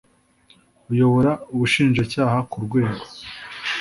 uyobora Ubushinjacyaha ku rwego